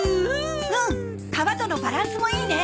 皮とのバランスもいいね。